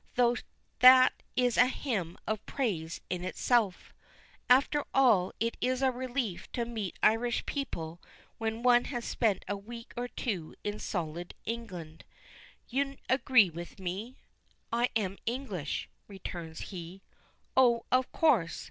Though that is a hymn of praise in itself. After all it is a relief to meet Irish people when one has spent a week or two in stolid England. You agree with me?" "I am English," returns he. "Oh! Of course!